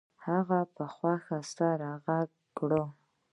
هغه په خوښۍ سره غږ وکړ